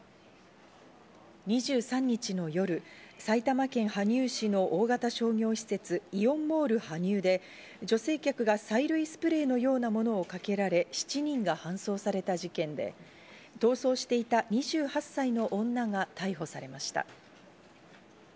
２３日の夜、埼玉県羽生市の大型商業施設イオンモール羽生で、女性客が催涙スプレーのようなものをかけられ、７人が搬送された事件で、逃走をしていた２８歳の女が逮捕されました。